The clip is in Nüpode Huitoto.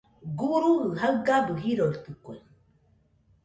Guruji jaigabɨ jiroitɨkue.